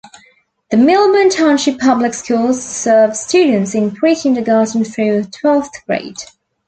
The Millburn Township Public Schools serve students in pre-kindergarten through twelfth grade.